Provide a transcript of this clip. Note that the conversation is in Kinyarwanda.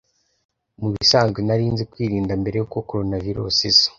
Mubisanzwe narinzi kwirinda mbere yuko Coronavirus iza.